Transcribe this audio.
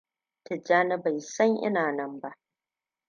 Tijjani bai san ina nan ba.